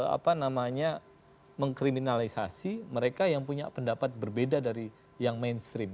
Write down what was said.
apa namanya mengkriminalisasi mereka yang punya pendapat berbeda dari yang mainstream